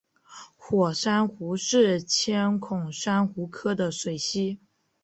火珊瑚是千孔珊瑚科的水螅。